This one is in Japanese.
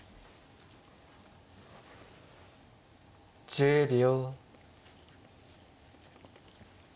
１０秒。